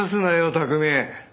拓海。